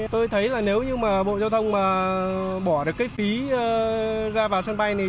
tôi thấy là nếu như mà bộ giao thông mà bỏ được cái phí ra vào sân bay này